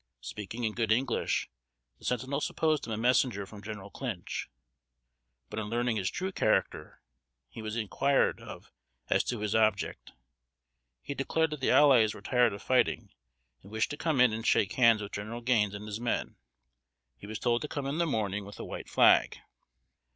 Speaking in good English, the sentinel supposed him a messenger from General Clinch; but, on learning his true character, he was inquired of as to his object. He declared that the allies were tired of fighting, and wished to come in and shake hands with General Gaines and his men. He was told to come in the morning with a white flag.